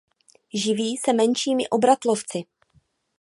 Živí se menšími obratlovci.